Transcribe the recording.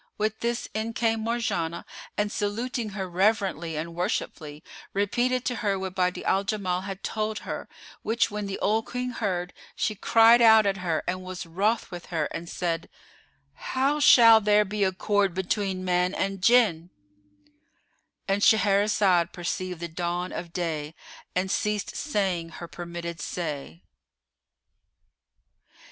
With this in came Marjanah[FN#460] and saluting her reverently and worshipfully, repeated to her what Badi'a al Jamal had told her; which when the old Queen heard, she cried out at her and was wroth with her and said, "How shall there be accord between man and Jinn?"——And Shahrazad perceived the dawn of day and ceased saying her permitted say.